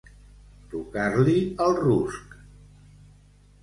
Tocar-li el rusc.